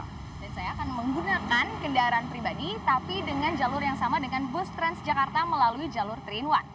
dan saya akan menggunakan kendaraan pribadi tapi dengan jalur yang sama dengan bus transjakarta melalui jalur tiga in satu